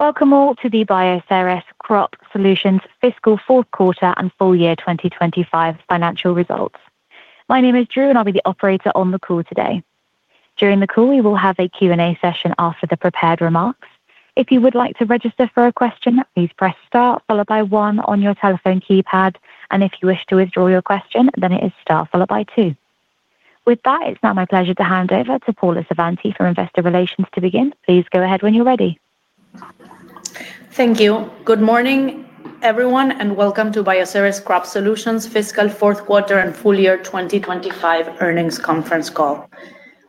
Welcome all to the Bioceres Crop Solutions fiscal fourth quarter and full year 2025 financial results. My name is Drew, and I'll be the operator on the call today. During the call, we will have a Q&A session after the prepared remarks. If you would like to register for a question, please press STAR followed by 1 on your telephone keypad. If you wish to withdraw your question, it is STAR followed by 2. With that, it's now my pleasure to hand over to Paula Savanti from Investor Relations to begin. Please go ahead when you're ready. Thank you. Good morning, everyone, and welcome to Bioceres Crop Solutions' fiscal fourth quarter and full year 2025 earnings conference call.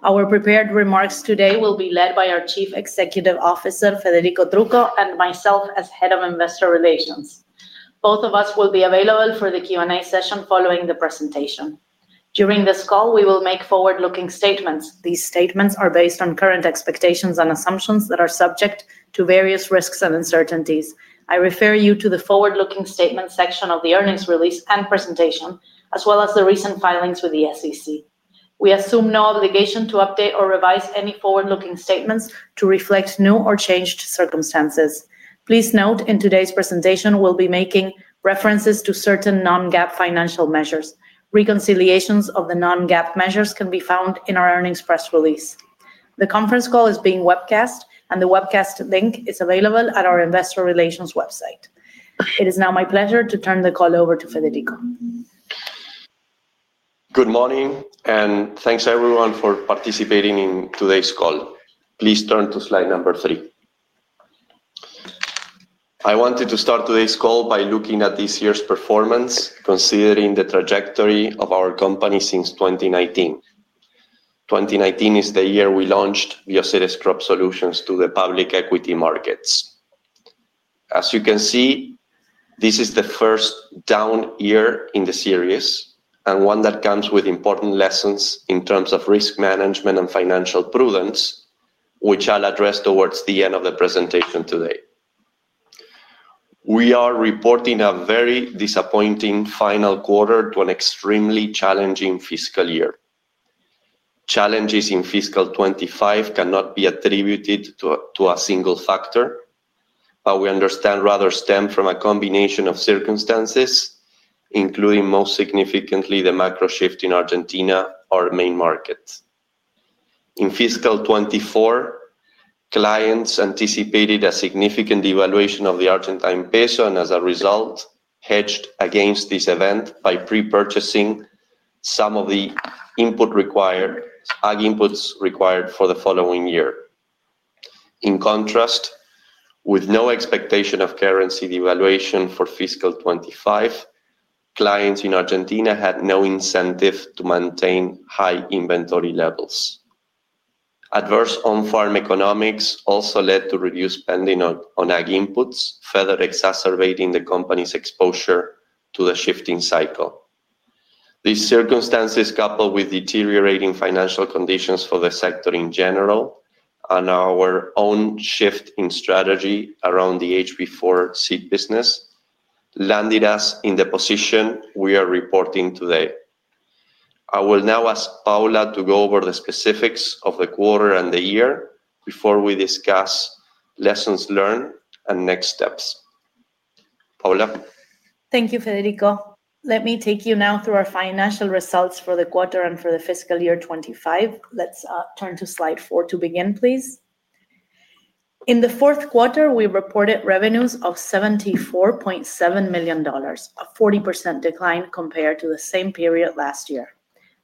Our prepared remarks today will be led by our Chief Executive Officer, Federico Trucco, and myself as Head of Investor Relations. Both of us will be available for the Q&A session following the presentation. During this call, we will make forward-looking statements. These statements are based on current expectations and assumptions that are subject to various risks and uncertainties. I refer you to the forward-looking statements section of the earnings release and presentation, as well as the recent filings with the SEC. We assume no obligation to update or revise any forward-looking statements to reflect new or changed circumstances. Please note, in today's presentation, we'll be making references to certain non-GAAP financial measures. Reconciliations of the non-GAAP measures can be found in our earnings press release. The conference call is being webcast, and the webcast link is available at our Investor Relations website. It is now my pleasure to turn the call over to Federico. Good morning, and thanks everyone for participating in today's call. Please turn to slide number three. I wanted to start today's call by looking at this year's performance, considering the trajectory of our company since 2019. 2019 is the year we launched Bioceres Crop Solutions to the public equity markets. As you can see, this is the first down year in the series, and one that comes with important lessons in terms of risk management and financial prudence, which I'll address towards the end of the presentation today. We are reporting a very disappointing final quarter to an extremely challenging fiscal year. Challenges in fiscal 2025 cannot be attributed to a single factor, but we understand rather stem from a combination of circumstances, including, most significantly, the macro shift in Argentina, our main market. In fiscal 2024, clients anticipated a significant devaluation of the Argentine peso, and as a result, hedged against this event by pre-purchasing some of the ag inputs required for the following year. In contrast, with no expectation of currency devaluation for fiscal 2025, clients in Argentina had no incentive to maintain high inventory levels. Adverse on-farm economics also led to reduced spending on ag inputs, further exacerbating the company's exposure to the shifting cycle. These circumstances, coupled with deteriorating financial conditions for the sector in general, and our own shift in strategy around the HB4 seed business, landed us in the position we are reporting today. I will now ask Paula to go over the specifics of the quarter and the year before we discuss lessons learned and next steps. Paula. Thank you, Federico. Let me take you now through our financial results for the quarter and for the fiscal year 2025. Let's turn to slide four to begin, please. In the fourth quarter, we reported revenues of $74.7 million, a 40% decline compared to the same period last year.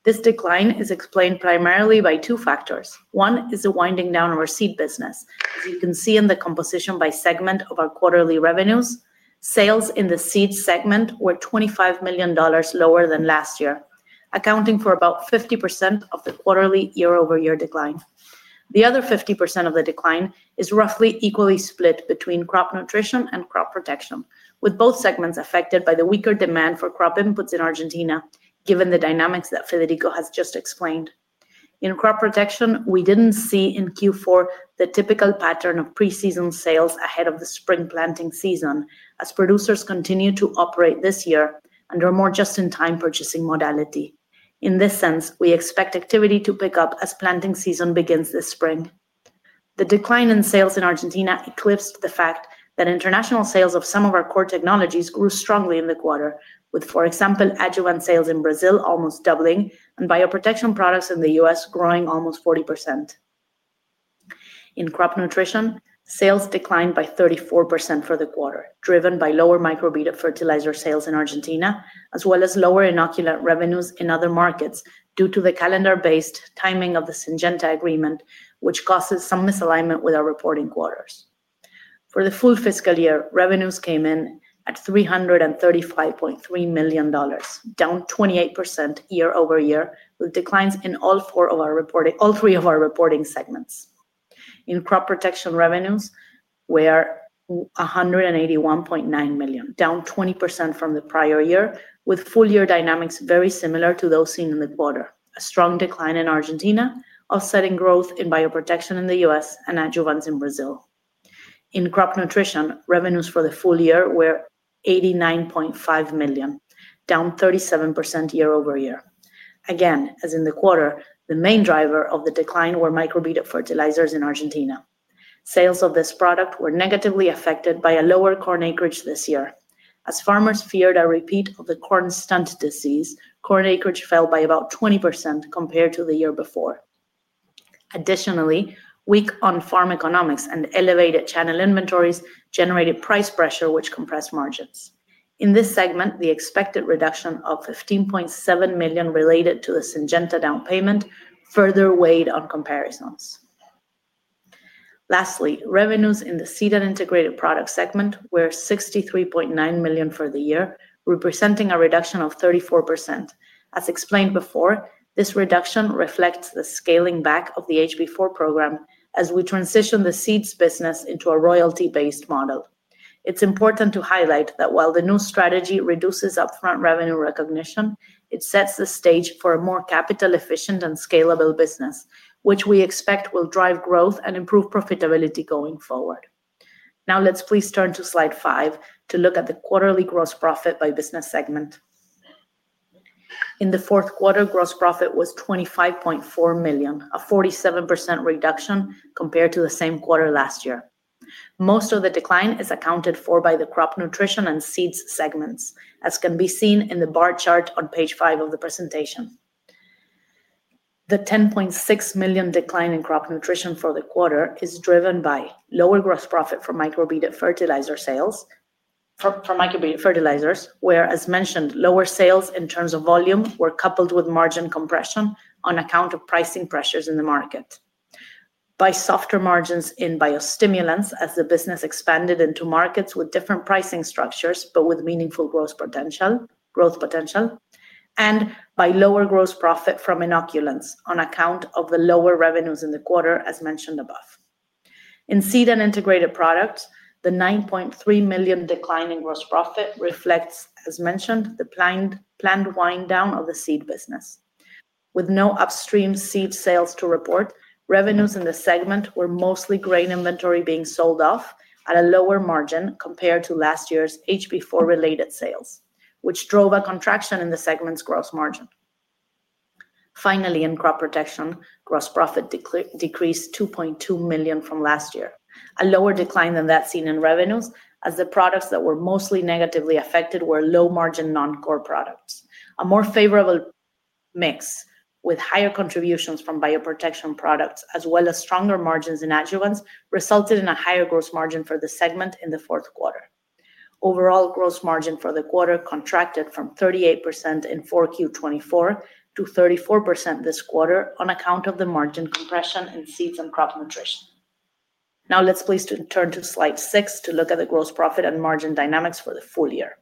This decline is explained primarily by two factors. One is the winding down of our seed business. As you can see in the composition by segment of our quarterly revenues, sales in the seed segment were $25 million lower than last year, accounting for about 50% of the quarterly year-over-year decline. The other 50% of the decline is roughly equally split between crop nutrition and crop protection, with both segments affected by the weaker demand for crop inputs in Argentina, given the dynamics that Federico has just explained. In crop protection, we didn't see in Q4 the typical pattern of preseason sales ahead of the spring planting season, as producers continue to operate this year under a more just-in-time purchasing modality. In this sense, we expect activity to pick up as planting season begins this spring. The decline in sales in Argentina eclipsed the fact that international sales of some of our core technologies grew strongly in the quarter, with, for example, adjuvant sales in Brazil almost doubling, and bioprotection products in the U.S. growing almost 40%. In crop nutrition, sales declined by 34% for the quarter, driven by lower microbiota fertilizer sales in Argentina, as well as lower inoculant revenues in other markets due to the calendar-based timing of the Syngenta agreement, which causes some misalignment with our reporting quarters. For the full fiscal year, revenues came in at $335.3 million, down 28% year-over-year, with declines in all three of our reporting segments. In crop protection, revenues were $181.9 million, down 20% from the prior year, with full-year dynamics very similar to those seen in the quarter. A strong decline in Argentina offset growth in bioprotection in the U.S. and adjuvants in Brazil. In crop nutrition, revenues for the full year were $89.5 million, down 37% year-over-year. Again, as in the quarter, the main driver of the decline was microbiota fertilizers in Argentina. Sales of this product were negatively affected by a lower corn acreage this year. As farmers feared a repeat of the corn stunt disease, corn acreage fell by about 20% compared to the year before. Additionally, weak on-farm economics and elevated channel inventories generated price pressure, which compressed margins. In this segment, the expected reduction of $15.7 million related to the Syngenta down payment further weighed on comparisons. Lastly, revenues in the seed and integrated products segment were $63.9 million for the year, representing a reduction of 34%. As explained before, this reduction reflects the scaling back of the HB4 program as we transition the seeds business into a royalty-based model. It's important to highlight that while the new strategy reduces upfront revenue recognition, it sets the stage for a more capital-efficient and scalable business, which we expect will drive growth and improve profitability going forward. Now, let's please turn to slide five to look at the quarterly gross profit by business segment. In the fourth quarter, gross profit was $25.4 million, a 47% reduction compared to the same quarter last year. Most of the decline is accounted for by the crop nutrition and seeds segments, as can be seen in the bar chart on page five of the presentation. The $10.6 million decline in crop nutrition for the quarter is driven by lower gross profit for microbiota fertilizer sales, for microbiota fertilizers, where, as mentioned, lower sales in terms of volume were coupled with margin compression on account of pricing pressures in the market. By softer margins in biostimulants, as the business expanded into markets with different pricing structures, but with meaningful growth potential, and by lower gross profit from inoculants on account of the lower revenues in the quarter, as mentioned above. In seed and integrated products, the $9.3 million decline in gross profit reflects, as mentioned, the planned wind-down of the seed business. With no upstream seed sales to report, revenues in the segment were mostly grain inventory being sold off at a lower margin compared to last year's HB4 related sales, which drove a contraction in the segment's gross margin. Finally, in crop protection, gross profit decreased $2.2 million from last year, a lower decline than that seen in revenues, as the products that were mostly negatively affected were low margin non-core products. A more favorable mix, with higher contributions from bioprotection products, as well as stronger margins in adjuvants, resulted in a higher gross margin for the segment in the fourth quarter. Overall gross margin for the quarter contracted from 38% in Q4 to 34% this quarter on account of the margin compression in seeds and crop nutrition. Now, let's please turn to slide six to look at the gross profit and margin dynamics for the full year.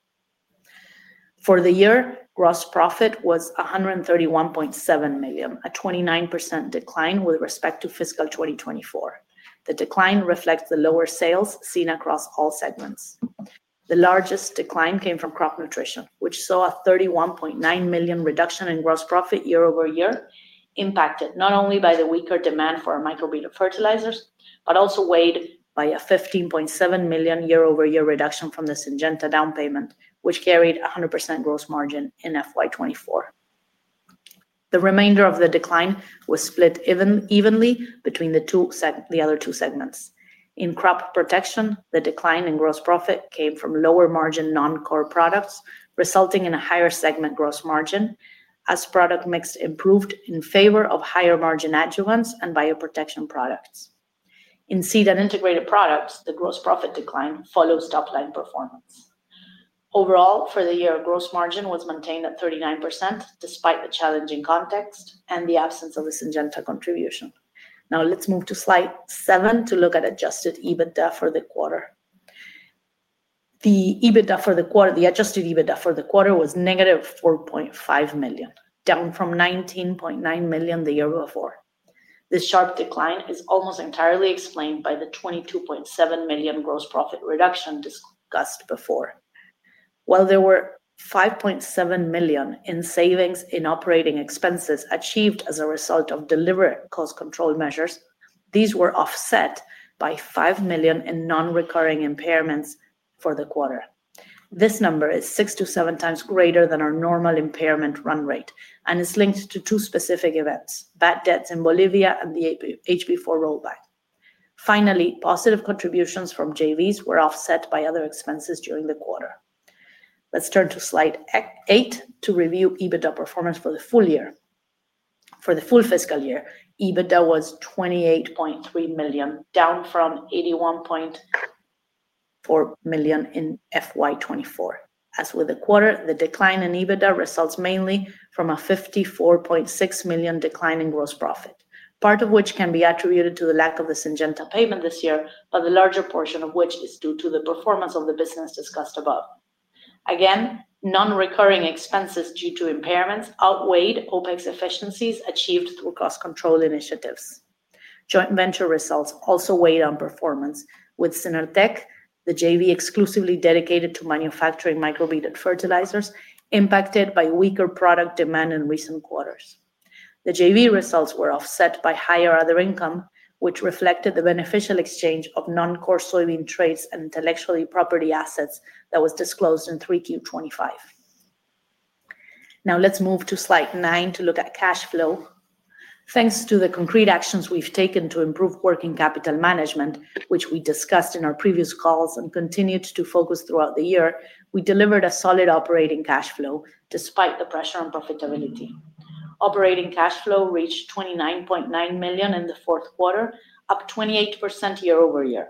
For the year, gross profit was $131.7 million, a 29% decline with respect to fiscal 2024. The decline reflects the lower sales seen across all segments. The largest decline came from crop nutrition, which saw a $31.9 million reduction in gross profit year-over-year, impacted not only by the weaker demand for microbiota fertilizers, but also weighed by a $15.7 million year-over-year reduction from the Syngenta down payment, which carried a 100% gross margin in FY24. The remainder of the decline was split evenly between the other two segments. In crop protection, the decline in gross profit came from lower margin non-core products, resulting in a higher segment gross margin, as product mix improved in favor of higher margin adjuvants and bioprotection products. In seed and integrated products, the gross profit decline follows top line performance. Overall, for the year, gross margin was maintained at 39% despite the challenging context and the absence of the Syngenta contribution. Now, let's move to slide seven to look at adjusted EBITDA for the quarter. The EBITDA for the quarter, the adjusted EBITDA for the quarter was -$4.5 million, down from $19.9 million the year before. This sharp decline is almost entirely explained by the $22.7 million gross profit reduction discussed before. While there were $5.7 million in savings in operating expenses achieved as a result of deliberate cost control measures, these were offset by $5 million in non-recurring impairments for the quarter. This number is six to seven times greater than our normal impairment run rate and is linked to two specific events: bad debts in Bolivia and the HB4 rollback. Finally, positive contributions from JVs were offset by other expenses during the quarter. Let's turn to slide eight to review EBITDA performance for the full year. For the full fiscal year, EBITDA was $28.3 million, down from $81.4 million in FY24. As with the quarter, the decline in EBITDA results mainly from a $54.6 million decline in gross profit, part of which can be attributed to the lack of the Syngenta payment this year, but the larger portion of which is due to the performance of the business discussed above. Again, non-recurring expenses due to impairments outweighed OpEx efficiencies achieved through cost control initiatives. Joint venture results also weighed on performance, with Synertech, the JV exclusively dedicated to manufacturing microbiota fertilizers, impacted by weaker product demand in recent quarters. The JV results were offset by higher other income, which reflected the beneficial exchange of non-core soybean trays and intellectual property assets that was disclosed in Q2 2025. Now, let's move to slide nine to look at cash flow. Thanks to the concrete actions we've taken to improve working capital management, which we discussed in our previous calls and continued to focus throughout the year, we delivered a solid operating cash flow despite the pressure on profitability. Operating cash flow reached $29.9 million in the fourth quarter, up 28% year-over-year.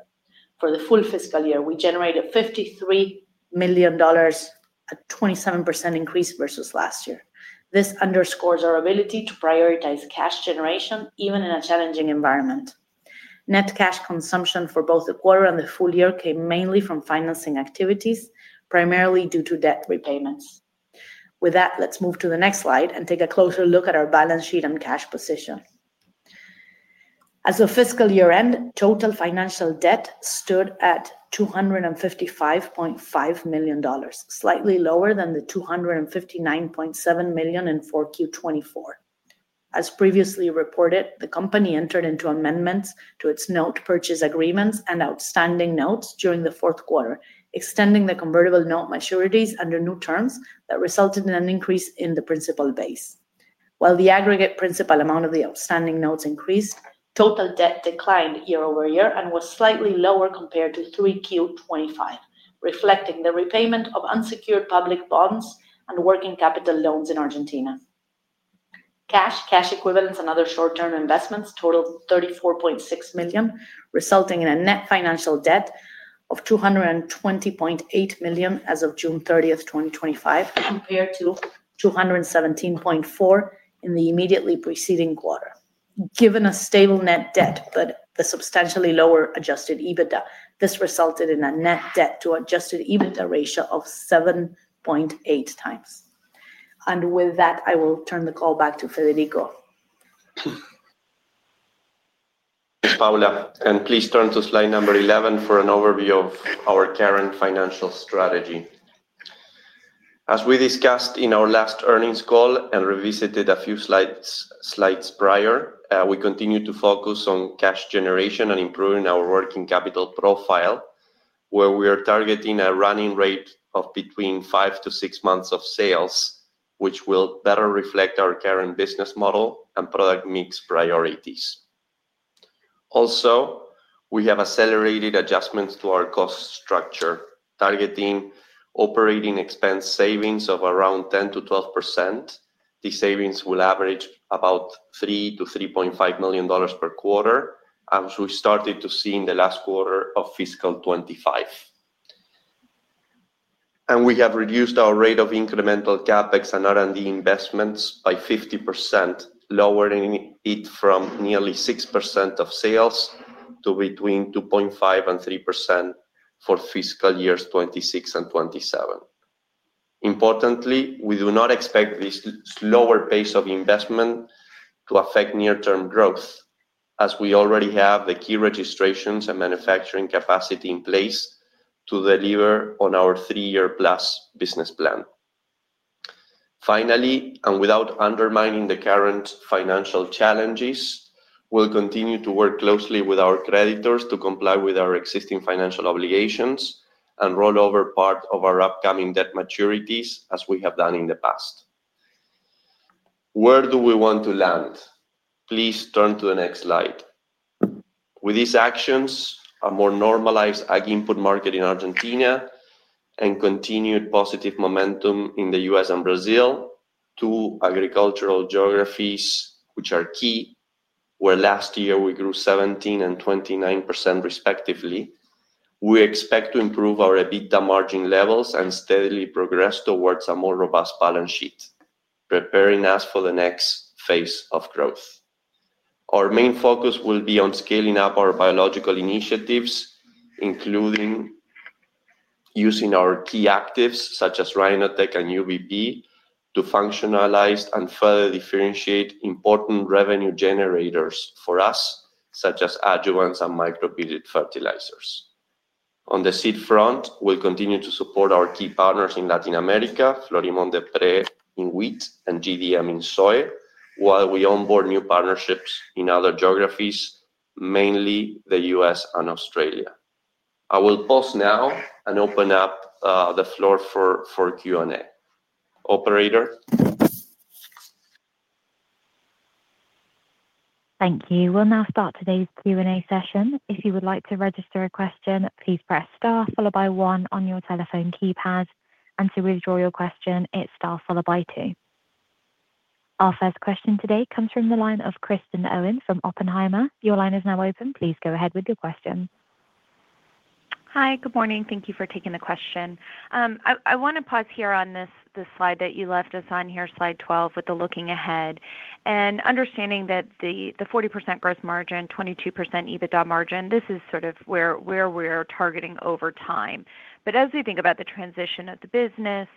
For the full fiscal year, we generated $53 million, a 27% increase versus last year. This underscores our ability to prioritize cash generation, even in a challenging environment. Net cash consumption for both the quarter and the full year came mainly from financing activities, primarily due to debt repayments. With that, let's move to the next slide and take a closer look at our balance sheet and cash position. As the fiscal year ends, total financial debt stood at $255.5 million, slightly lower than the $259.7 million in Q2 2024. As previously reported, the company entered into amendments to its note purchase agreements and outstanding notes during the fourth quarter, extending the convertible note maturities under new terms that resulted in an increase in the principal base. While the aggregate principal amount of the outstanding notes increased, total debt declined year-over-year and was slightly lower compared to Q2 2025, reflecting the repayment of unsecured public bonds and working capital loans in Argentina. Cash, cash equivalents, and other short-term investments totaled $34.6 million, resulting in a net financial debt of $220.8 million as of June 30, 2025, compared to $217.4 million in the immediately preceding quarter. Given a stable net debt, but a substantially lower adjusted EBITDA, this resulted in a net debt-to-adjusted EBITDA ratio of 7.8 times. I will turn the call back to Federico. Ms. Paula, and please turn to slide number 11 for an overview of our current financial strategy. As we discussed in our last earnings call and revisited a few slides prior, we continue to focus on cash generation and improving our working capital profile, where we are targeting a running rate of between 5 to 6 months of sales, which will better reflect our current business model and product mix priorities. Also, we have accelerated adjustments to our cost structure, targeting operating expense savings of around 10% to 12%. These savings will average about $3 to $3.5 million per quarter, as we started to see in the last quarter of fiscal 2025. We have reduced our rate of incremental CapEx and R&D investments by 50%, lowering it from nearly 6% of sales to between 2.5% and 3% for fiscal years 2026 and 2027. Importantly, we do not expect this slower pace of investment to affect near-term growth, as we already have the key registrations and manufacturing capacity in place to deliver on our three-year plus business plan. Finally, and without undermining the current financial challenges, we'll continue to work closely with our creditors to comply with our existing financial obligations and roll over part of our upcoming debt maturities, as we have done in the past. Where do we want to land? Please turn to the next slide. With these actions, a more normalized ag input market in Argentina and continued positive momentum in the U.S. and Brazil, two agricultural geographies which are key, where last year we grew 17% and 29% respectively, we expect to improve our EBITDA margin levels and steadily progress towards a more robust balance sheet, preparing us for the next phase of growth. Our main focus will be on scaling up our biological initiatives, including using our key actives, such as RhinoTech and UVB, to functionalize and further differentiate important revenue generators for us, such as adjuvants and microbiota fertilizers. On the seed front, we'll continue to support our key partners in Latin America, Florimond Desprez in wheat and GDM in soy, while we onboard new partnerships in other geographies, mainly the U.S. and Australia. I will pause now and open up the floor for Q&A. Operator. Thank you. We'll now start today's Q&A session. If you would like to register a question, please press STAR followed by 1 on your telephone keypad. To withdraw your question, it's STAR followed by 2. Our first question today comes from the line of Kristen Owen from Oppenheimer. Your line is now open. Please go ahead with your question. Hi, good morning. Thank you for taking the question. I want to pause here on this slide that you left us on here, slide 12, with the looking ahead. Understanding that the 40% gross margin, 22% EBITDA margin, this is sort of where we're targeting over time. As we think about the transition of the business,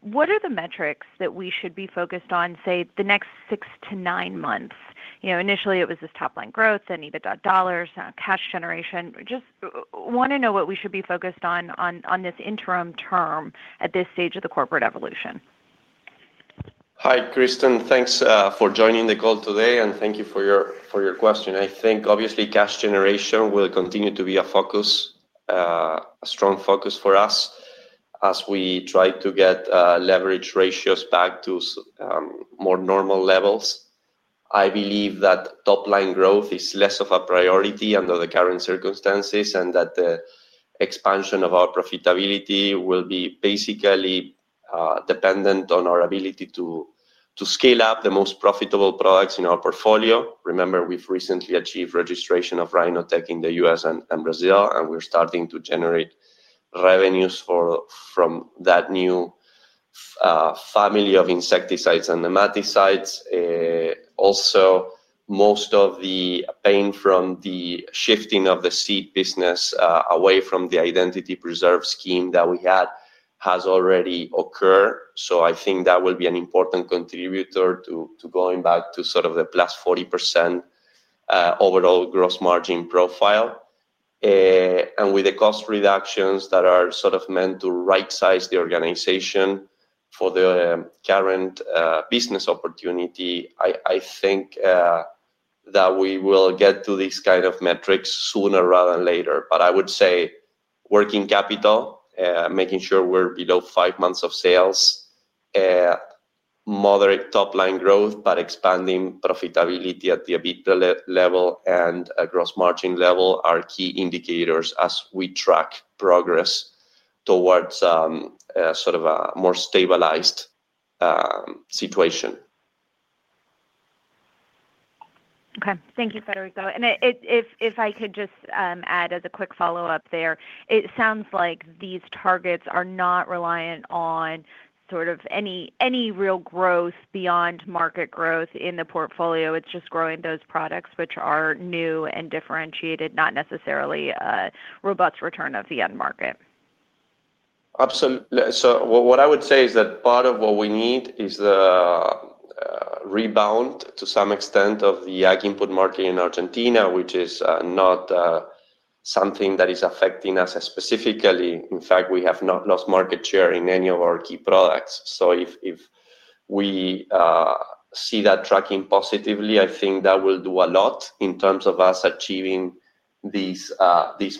what are the metrics that we should be focused on, say, the next six to nine months? Initially, it was this top line growth, then EBITDA dollars, cash generation. Just want to know what we should be focused on on this interim term at this stage of the corporate evolution. Hi, Kristen. Thanks for joining the call today, and thank you for your question. I think, obviously, cash generation will continue to be a focus, a strong focus for us as we try to get leverage ratios back to more normal levels. I believe that top line growth is less of a priority under the current circumstances and that the expansion of our profitability will be basically dependent on our ability to scale up the most profitable products in our portfolio. Remember, we've recently achieved registration of RhinoTech in the U.S. and Brazil, and we're starting to generate revenues from that new family of insecticides and nematicides. Also, most of the pain from the shifting of the seed business away from the identity preserve scheme that we had has already occurred. I think that will be an important contributor to going back to sort of the plus 40% overall gross margin profile. With the cost reductions that are sort of meant to right-size the organization for the current business opportunity, I think that we will get to these kind of metrics sooner rather than later. I would say working capital, making sure we're below five months of sales, moderate top line growth, but expanding profitability at the EBITDA level and gross margin level are key indicators as we track progress towards sort of a more stabilized situation. Okay. Thank you, Federico. If I could just add as a quick follow-up there, it sounds like these targets are not reliant on any real growth beyond market growth in the portfolio. It's just growing those products which are new and differentiated, not necessarily a robust return of the end market. Absolutely. What I would say is that part of what we need is the rebound to some extent of the ag input market in Argentina, which is not something that is affecting us specifically. In fact, we have not lost market share in any of our key products. If we see that tracking positively, I think that will do a lot in terms of us achieving these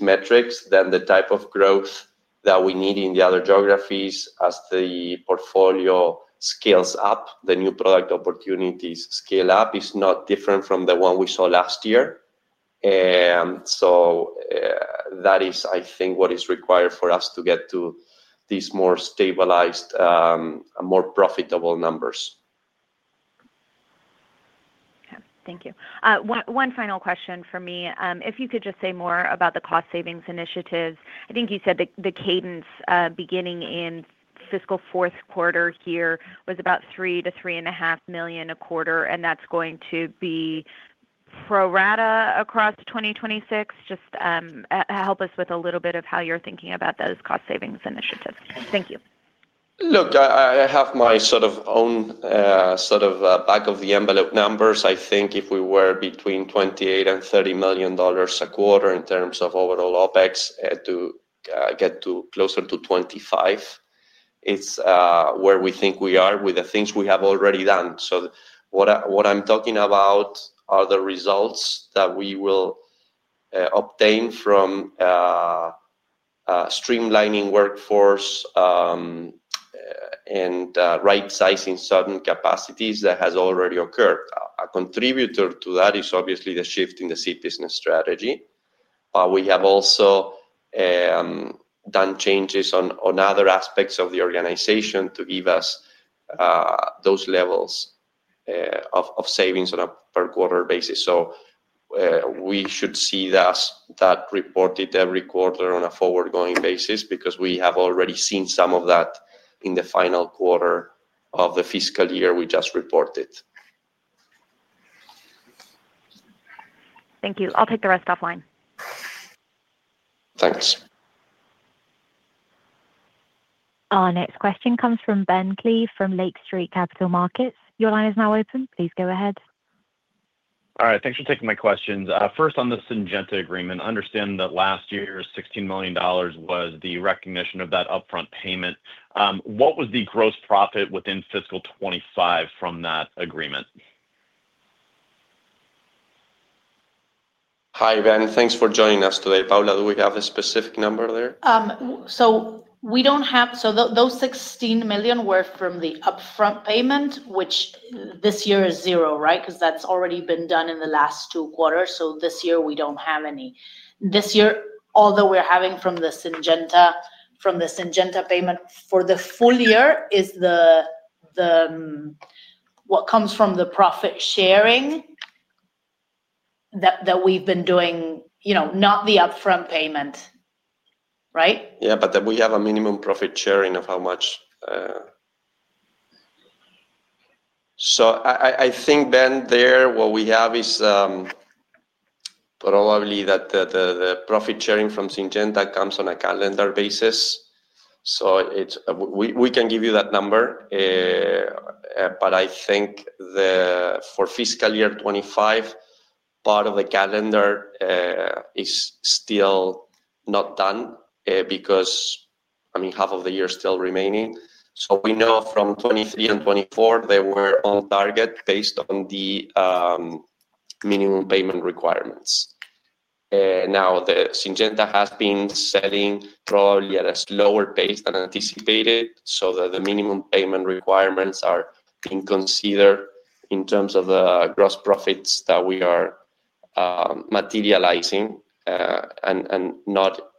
metrics. The type of growth that we need in the other geographies as the portfolio scales up, the new product opportunities scale up, is not different from the one we saw last year. That is, I think, what is required for us to get to these more stabilized, more profitable numbers. Okay. Thank you. One final question from me. If you could just say more about the cost savings initiatives, I think you said the cadence beginning in fiscal fourth quarter here was about $3 million to $3.5 million a quarter, and that's going to be pro rata across 2026. Just help us with a little bit of how you're thinking about those cost savings initiatives. Thank you. Look, I have my sort of own sort of back of the envelope numbers. I think if we were between $28 million and $30 million a quarter in terms of overall OpEx to get to closer to $25 million, it's where we think we are with the things we have already done. What I'm talking about are the results that we will obtain from streamlining workforce and right-sizing certain capacities that have already occurred. A contributor to that is obviously the shift in the seed business strategy. We have also done changes on other aspects of the organization to give us those levels of savings on a per quarter basis. We should see that reported every quarter on a forward-going basis because we have already seen some of that in the final quarter of the fiscal year we just reported. Thank you. I'll take the rest offline. Thanks. Our next question comes from Ben Klieve from Lake Street Capital Markets. Your line is now open. Please go ahead. All right. Thanks for taking my questions. First, on the Syngenta agreement, I understand that last year's $16 million was the recognition of that upfront payment. What was the gross profit within fiscal 2025 from that agreement? Hi, Van. Thanks for joining us today. Paula, do we have the specific number there? We don't have, so those $16 million were from the upfront payment, which this year is zero, right? Because that's already been done in the last two quarters. This year we don't have any. This year, all that we're having from the Syngenta payment for the full year is what comes from the profit sharing that we've been doing, not the upfront payment, right? Yeah, but then we have a minimum profit sharing of how much. I think, Ben, there, what we have is probably that the profit sharing from Syngenta comes on a calendar basis. We can give you that number. I think for fiscal year 2025, part of the calendar is still not done because, I mean, half of the year is still remaining. We know from 2023 and 2024, they were on target based on the minimum payment requirements. Now, Syngenta has been setting probably at a slower pace than anticipated so that the minimum payment requirements are being considered in terms of the gross profits that we are materializing, and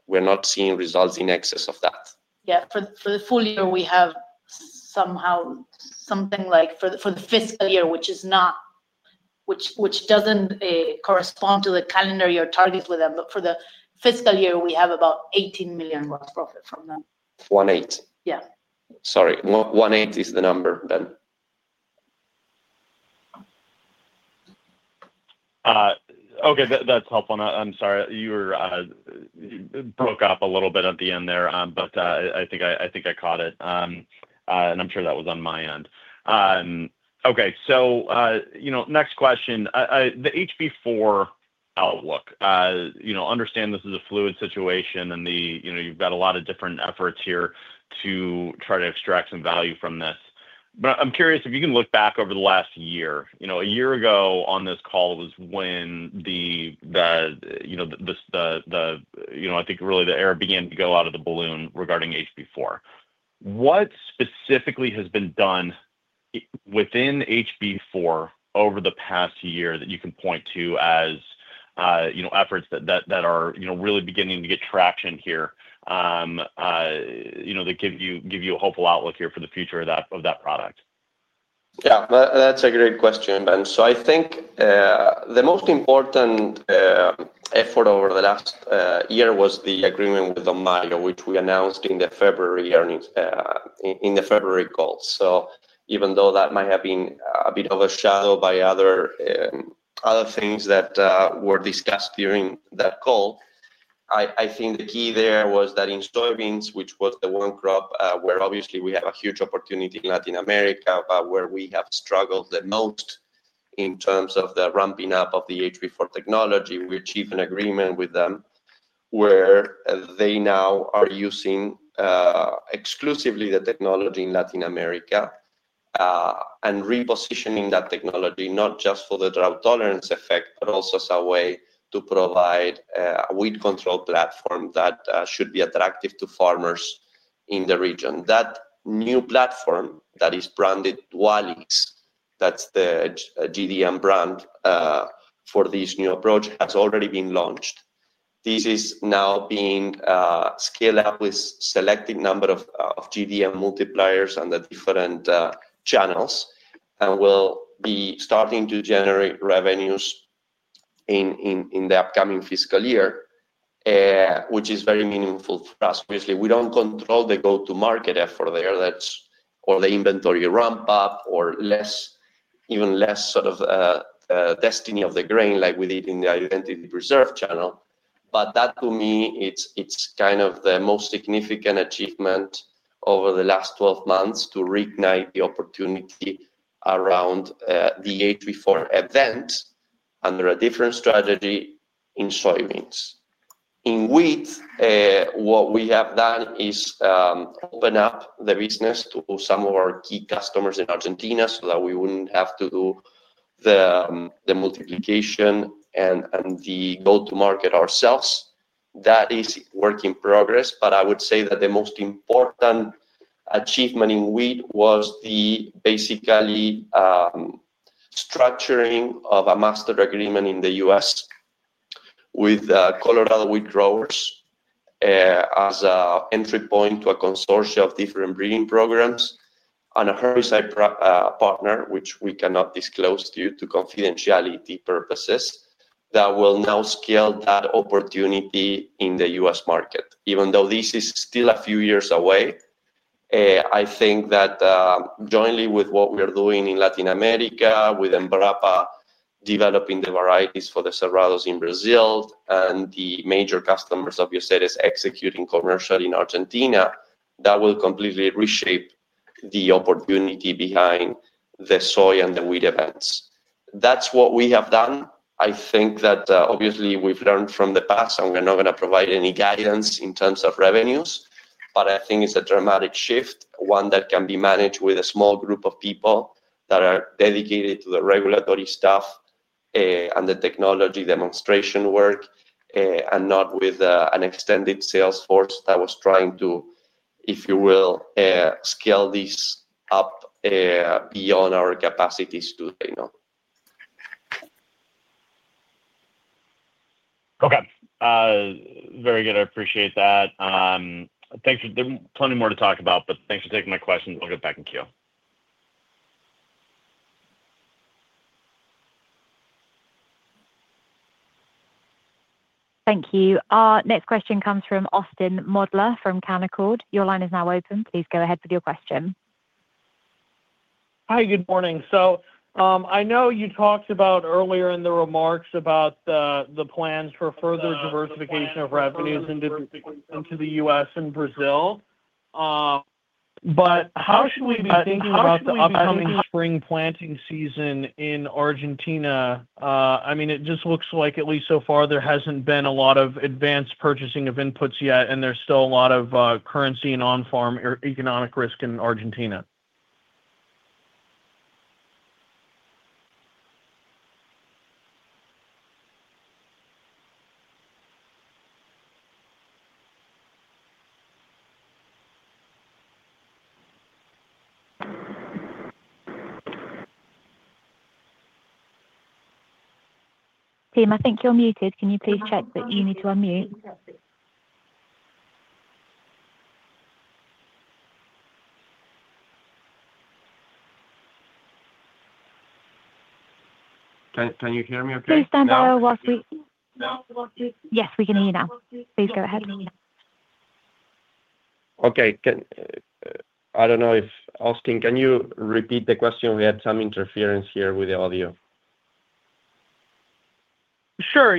we're not seeing results in excess of that. Yeah, for the full year, we have something like, for the fiscal year, which doesn't correspond to the calendar year targets with them, but for the fiscal year, we have about $18 million gross profit from them. One eighth. Yeah. Sorry. One eighth is the number, Ben. Okay. That's helpful. I'm sorry, you broke up a little bit at the end there, but I think I caught it. I'm sure that was on my end. Next question. The HB4 outlook, I understand this is a fluid situation, and you've got a lot of different efforts here to try to extract some value from this. I'm curious if you can look back over the last year. A year ago on this call was when the air began to go out of the balloon regarding HB4. What specifically has been done within HB4 over the past year that you can point to as efforts that are really beginning to get traction here, that give you a hopeful outlook for the future of that product. Yeah. That's a great question, Ben. I think the most important effort over the last year was the agreement with GDM, which we announced in the February call. Even though that might have been a bit overshadowed by other things that were discussed during that call, I think the key there was that in soybeans, which was the one crop where obviously we have a huge opportunity in Latin America, but where we have struggled the most in terms of the ramping up of the HB4 technology, we achieved an agreement with them where they now are using exclusively the technology in Latin America and repositioning that technology not just for the drought tolerance effect, but also as a way to provide a weed control platform that should be attractive to farmers in the region. That new platform that is branded Dualys, that's the GDM brand for this new approach, has already been launched. This is now being scaled up with a selected number of GDM multipliers and the different channels and will be starting to generate revenues in the upcoming fiscal year, which is very meaningful for us. Obviously, we don't control the go-to-market effort there, or the inventory ramp-up, or even less sort of testing of the grain like we did in the identity preserve channel. That, to me, is kind of the most significant achievement over the last 12 months to reignite the opportunity around the HB4 event under a different strategy in soybeans. In wheat, what we have done is open up the business to some of our key customers in Argentina so that we wouldn't have to do the multiplication and the go-to-market ourselves. That is a work in progress, but I would say that the most important achievement in wheat was basically structuring a master agreement in the U.S. with Colorado Wheat Growers as an entry point to a consortium of different breeding programs and a herbicide partner, which we cannot disclose to you for confidentiality purposes, that will now scale that opportunity in the U.S. market. Even though this is still a few years away, I think that jointly with what we are doing in Latin America, with Embrapa developing the varieties for the cerrados in Brazil and the major customers of Bioceres executing commercially in Argentina, that will completely reshape the opportunity behind the soy and the wheat events. That's what we have done. I think that obviously we've learned from the past and we're not going to provide any guidance in terms of revenues, but I think it's a dramatic shift, one that can be managed with a small group of people that are dedicated to the regulatory stuff and the technology demonstration work and not with an extended sales force that was trying to, if you will, scale this up beyond our capacities today. Okay. Very good. I appreciate that. Thanks, there's plenty more to talk about, but thanks for taking my questions. I'll get back in queue. Thank you. Our next question comes from Austin Moeller from Canaccord. Your line is now open. Please go ahead with your question. Hi, good morning. I know you talked earlier in the remarks about the plans for further diversification of revenues into the U.S. and Brazil. How should we be thinking about the upcoming spring planting season in Argentina? It just looks like, at least so far, there hasn't been a lot of advanced purchasing of inputs yet, and there's still a lot of currency and on-farm economic risk in Argentina. Fema, I think you're muted. Can you please check that you need to unmute? Can you hear me okay? Please stand by while we connect. Yes, we can hear you now. Please go ahead. Okay. I don't know if Austin, can you repeat the question? We had some interference here with the audio. Sure.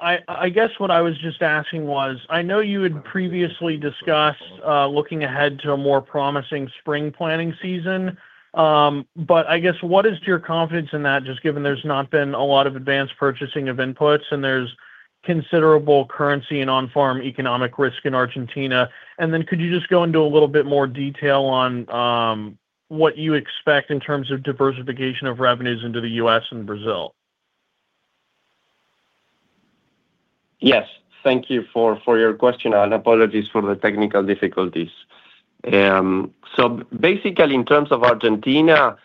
I guess what I was just asking was, I know you had previously discussed looking ahead to a more promising spring planting season, but I guess what is your confidence in that, just given there's not been a lot of advanced purchasing of inputs and there's considerable currency and on-farm economic risk in Argentina? Could you just go into a little bit more detail on what you expect in terms of diversification of revenues into the U.S. and Brazil? Yes. Thank you for your question. Apologies for the technical difficulties. Basically, in terms of Argentina,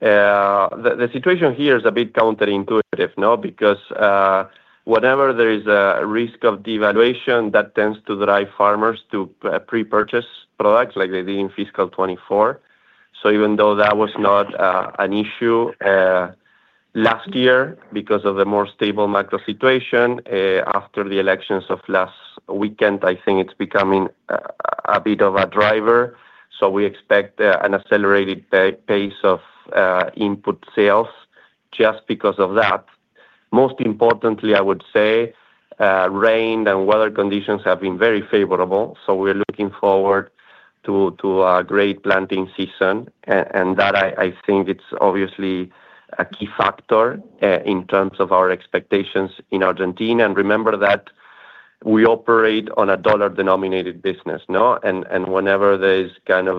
the situation here is a bit counterintuitive, no? Whenever there is a risk of devaluation, that tends to drive farmers to pre-purchase products like they did in fiscal 2024. Even though that was not an issue last year because of the more stable macro situation, after the elections of last weekend, I think it's becoming a bit of a driver. We expect an accelerated pace of input sales just because of that. Most importantly, I would say rain and weather conditions have been very favorable. We're looking forward to a great planting season. That, I think, is obviously a key factor in terms of our expectations in Argentina. Remember that we operate on a dollar-denominated business, no? Whenever there is kind of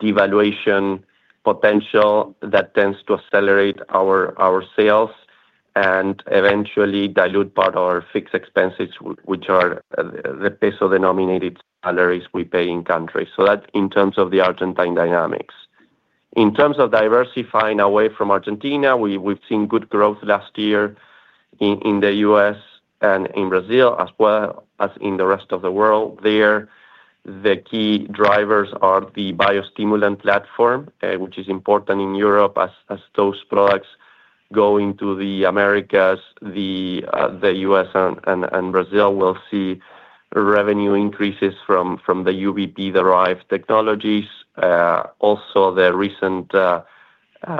devaluation potential, that tends to accelerate our sales and eventually dilute part of our fixed expenses, which are the peso-denominated salaries we pay in country. That's in terms of the Argentine dynamics. In terms of diversifying away from Argentina, we've seen good growth last year in the U.S. and in Brazil, as well as in the rest of the world. There, the key drivers are the biostimulant platform, which is important in Europe as those products go into the Americas. The U.S. and Brazil will see revenue increases from the UVB-derived technologies. Also, the recent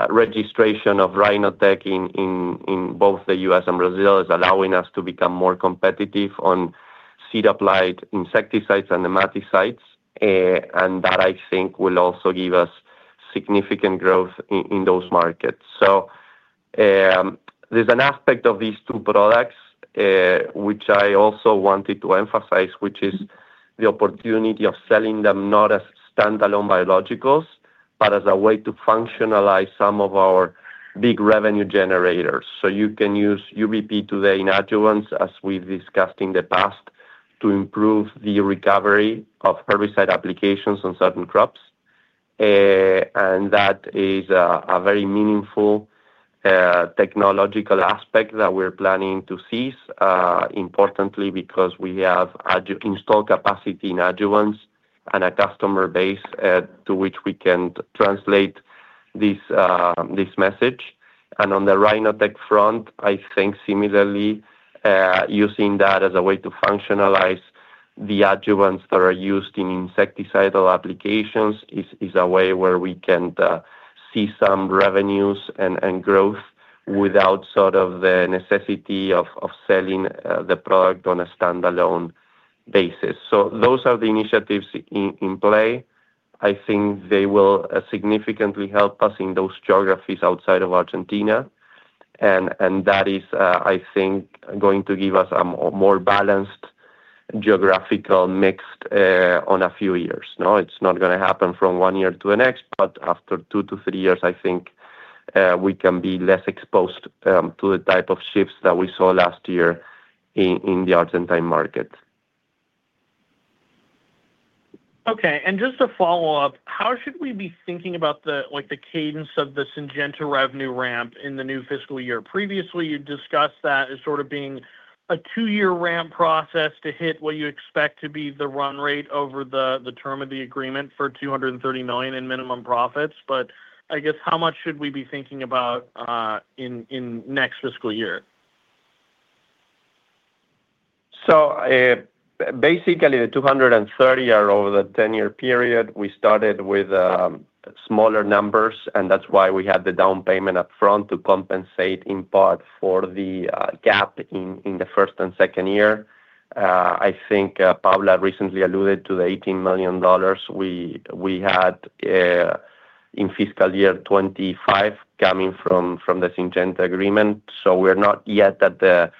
registration of RhinoTech in both the U.S. and Brazil is allowing us to become more competitive on seed-applied insecticides and nematicides. That, I think, will also give us significant growth in those markets. There's an aspect of these two products which I also wanted to emphasize, which is the opportunity of selling them not as standalone biologicals, but as a way to functionalize some of our big revenue generators. You can use UVB today in adjuvants, as we've discussed in the past, to improve the recovery of herbicide applications on certain crops. That is a very meaningful technological aspect that we're planning to seize, importantly, because we have installed capacity in adjuvants and a customer base to which we can translate this message. On the RhinoTech front, I think similarly, using that as a way to functionalize the adjuvants that are used in insecticidal applications is a way where we can seize some revenues and growth without the necessity of selling the product on a standalone basis. Those are the initiatives in play. I think they will significantly help us in those geographies outside of Argentina. That is, I think, going to give us a more balanced geographical mix in a few years. It's not going to happen from one year to the next, but after two to three years, I think we can be less exposed to the type of shifts that we saw last year in the Argentine market. Okay. Just to follow up, how should we be thinking about the cadence of the Syngenta revenue ramp in the new fiscal year? Previously, you discussed that as sort of being a two-year ramp process to hit what you expect to be the run rate over the term of the agreement for $230 million in minimum profits. I guess how much should we be thinking about in the next fiscal year? Basically, the $230 million are over the 10-year period. We started with smaller numbers, and that's why we had the down payment upfront to compensate in part for the gap in the first and second year. I think Paula recently alluded to the $18 million we had in fiscal year 2025 coming from the Syngenta agreement. We're not yet at the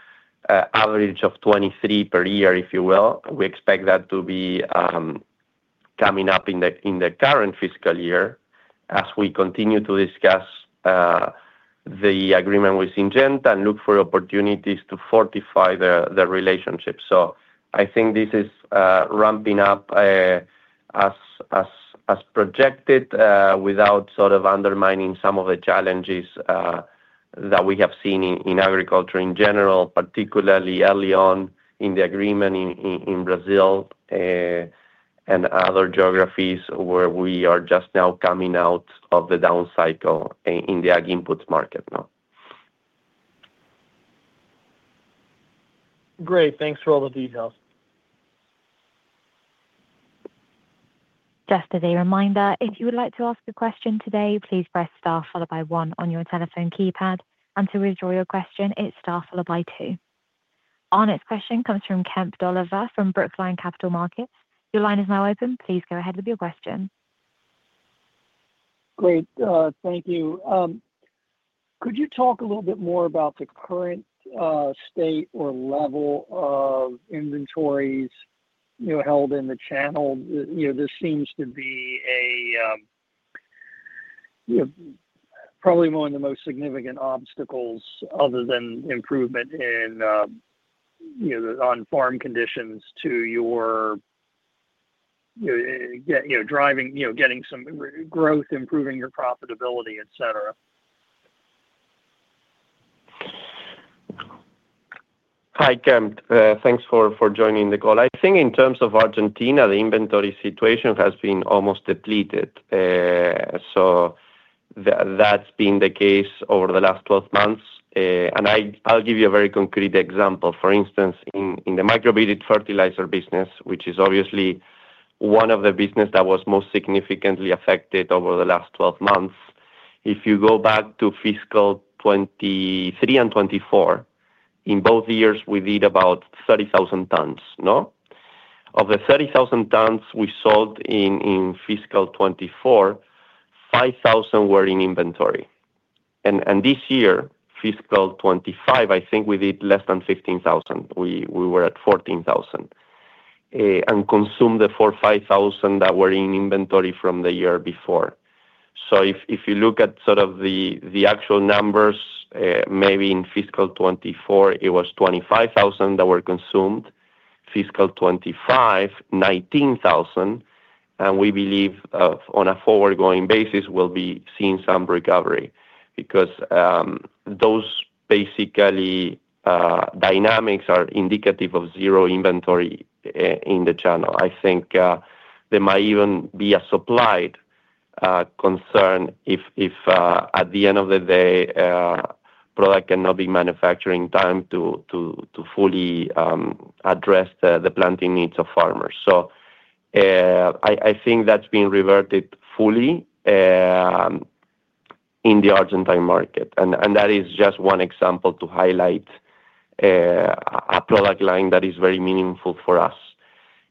average of $23 million per year, if you will. We expect that to be coming up in the current fiscal year as we continue to discuss the agreement with Syngenta and look for opportunities to fortify the relationship. I think this is ramping up as projected without sort of undermining some of the challenges that we have seen in agriculture in general, particularly early on in the agreement in Brazil and other geographies where we are just now coming out of the down cycle in the ag inputs market. Great. Thanks for all the details. Just as a reminder, if you would like to ask a question today, please press STAR followed by 1 on your telephone keypad. To withdraw your question, it's STAR followed by 2. Our next question comes from Kemp Dolliver from Brookline Capital Markets. Your line is now open. Please go ahead with your question. Great. Thank you. Could you talk a little bit more about the current state or level of inventories held in the channel? This seems to be probably one of the most significant obstacles other than improvement in on-farm conditions to your driving, you know, getting some growth, improving your profitability, etc. Hi, Kemp. Thanks for joining the call. I think in terms of Argentina, the inventory situation has been almost depleted. That's been the case over the last 12 months. I'll give you a very concrete example. For instance, in the microbiota fertilizer business, which is obviously one of the businesses that was most significantly affected over the last 12 months, if you go back to fiscal 2023 and 2024, in both years, we did about 30,000 tons, no? Of the 30,000 tons we sold in fiscal 2024, 5,000 were in inventory. This year, fiscal 2025, I think we did less than 15,000. We were at 14,000 and consumed the 4,000 or 5,000 that were in inventory from the year before. If you look at the actual numbers, maybe in fiscal 2024, it was 25,000 that were consumed. Fiscal 2025, 19,000. We believe, on a forward-going basis, we'll be seeing some recovery because those dynamics are indicative of zero inventory in the channel. There might even be a supply concern if, at the end of the day, product cannot be manufactured in time to fully address the planting needs of farmers. I think that's been reverted fully in the Argentine market. That is just one example to highlight a product line that is very meaningful for us.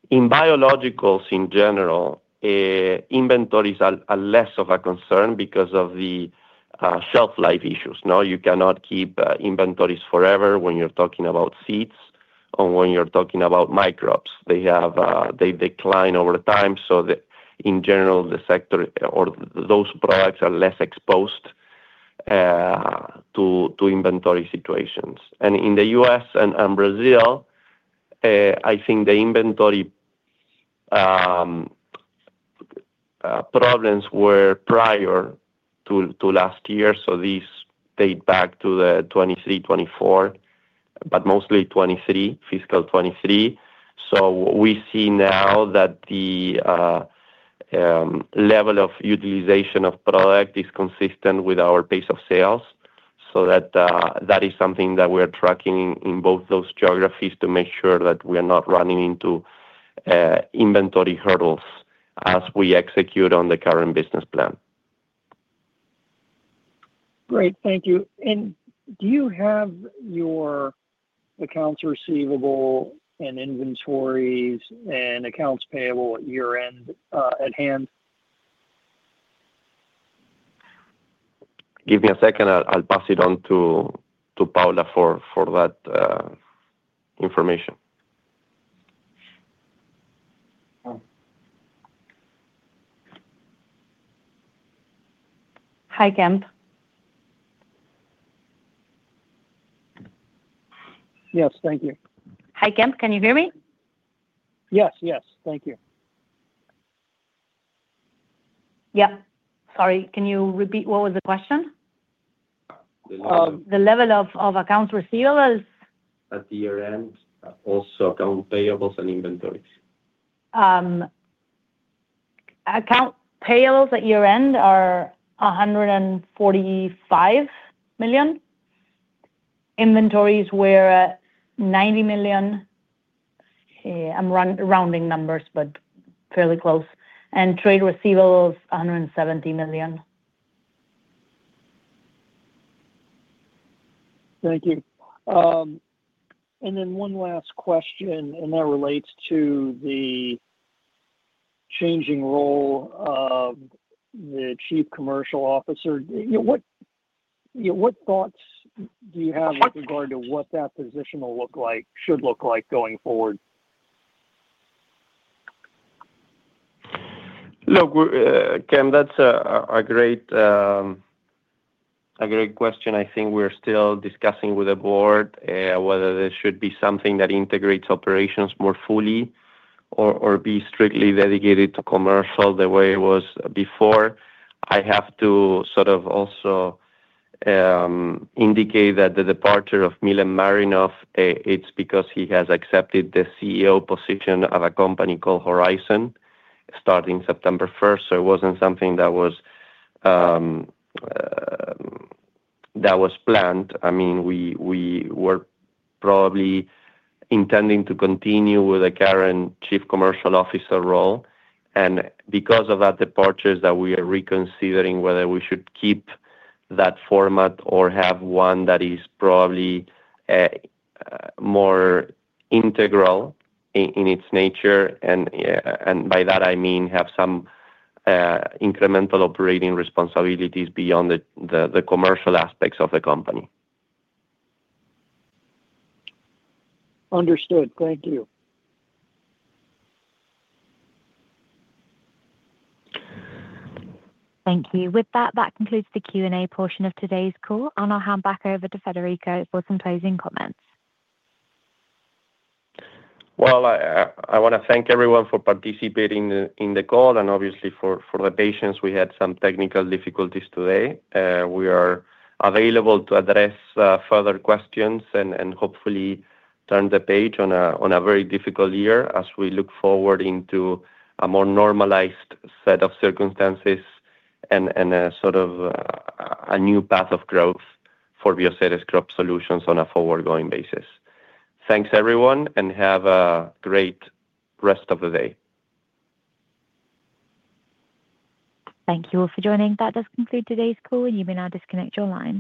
In biologicals, in general, inventories are less of a concern because of the shelf life issues. You cannot keep inventories forever when you're talking about seeds or when you're talking about microbes. They decline over time. In general, the sector or those products are less exposed to inventory situations. In the U.S. and Brazil, I think the inventory problems were prior to last year. This dates back to 2023, 2024, but mostly 2023, fiscal 2023. We see now that the level of utilization of product is consistent with our pace of sales. That is something that we are tracking in both those geographies to make sure that we are not running into inventory hurdles as we execute on the current business plan. Great. Thank you. Do you have your accounts receivable and inventories and accounts payable at year-end at hand? Give me a second. I'll pass it on to Paula for that information. Hi, Kemp. Yes, thank you. Hi, Kemp. Can you hear me? Yes, yes. Thank you. Yeah, sorry, can you repeat what was the question? The level of accounts receivables? At year-end, also accounts payables and inventories. Account payables at year-end are $145 million. Inventories were at $90 million. I'm rounding numbers, but fairly close. Trade receivables, $170 million. Thank you. One last question relates to the changing role of the Chief Commercial Officer. What thoughts do you have with regard to what that position will look like, should look like going forward? Look, Kemp, that's a great question. I think we're still discussing with the board whether this should be something that integrates operations more fully or be strictly dedicated to commercial the way it was before. I have to also indicate that the departure of Milen Marinov is because he has accepted the CEO position of a company called Horizon starting September 1. It wasn't something that was planned. We were probably intending to continue with the current Chief Commercial Officer role. Because of that departure, we are reconsidering whether we should keep that format or have one that is probably more integral in its nature. By that, I mean have some incremental operating responsibilities beyond the commercial aspects of the company. Understood. Thank you. Thank you. With that, that concludes the Q&A portion of today's call. I'll hand back over to Federico for some closing comments. I want to thank everyone for participating in the call and obviously for the patience. We had some technical difficulties today. We are available to address further questions and hopefully turn the page on a very difficult year as we look forward into a more normalized set of circumstances and a sort of a new path of growth for Bioceres Crop Solutions on a forward-going basis. Thanks, everyone, and have a great rest of the day. Thank you all for joining. That does conclude today's call, and you may now disconnect your line.